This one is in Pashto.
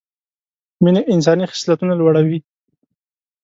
مینه انساني خصلتونه لوړه وي